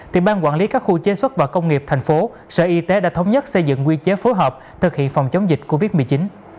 thì ban quản lý các khu chế xuất và công nghiệp tp hcm đã thống nhất xây dựng quy chế phù hợp thực hiện phòng chống dịch covid một mươi chín